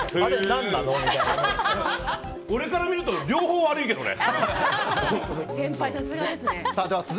俺から見ると両方悪いけどね。